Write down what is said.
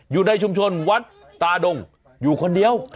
อยู่ในชุมชนวัดตาดงอยู่คนเดียว